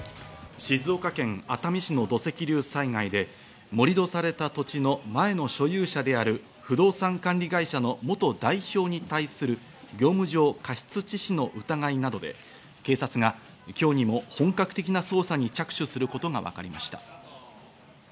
静岡県熱海市の土石流災害で盛り土された土地の前の所有者である、不動産管理会社の元代表に対する業務上過失致死の疑いなどで警察が今日にも本格的な捜査に着手することがわかりました。